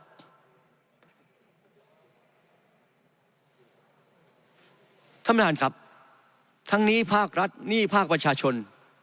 ท่านประธานครับทั้งนี้ภาครัฐหนี้ภาคประชาชน